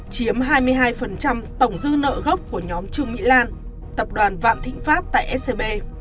chiếm hai mươi hai tổng dư nợ gốc của nhóm trương mỹ lan tập đoàn vạn thịnh pháp tại scb